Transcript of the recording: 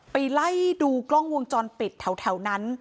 ไปไล่ดูกล้องวงจรปิดแถวนั้น